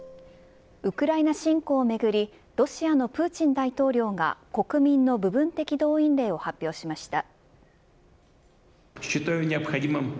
ウクライナ侵攻をめぐりロシアのプーチン大統領が国民の部分的動員令を発表しました。